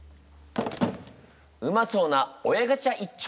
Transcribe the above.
うまそうな親ガチャ一丁！